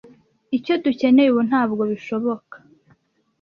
Icyo dukeneye ubu ntabwo bishoboka